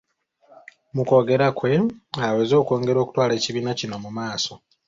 Mu kwogera kwe aweze okwongera okutwala ekibiina kino mu maaso.